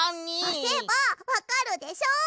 おせばわかるでしょ！